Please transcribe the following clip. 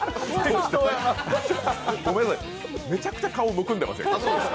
めちゃくちゃ顔むくんでませんか？